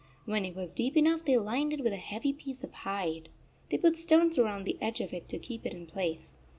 When it was deep enough they lined it with a heavy piece of hide. They put stones around the edge of it to keep it in place.